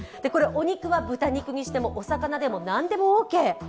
お肉は豚肉にしてもお魚でもなんでもオーケー。